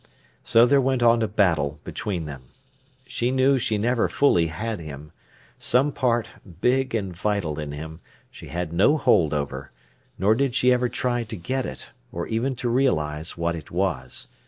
So there went on a battle between them. She knew she never fully had him. Some part, big and vital in him, she had no hold over; nor did she ever try to get it, or even to realise what it was.